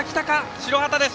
白旗です。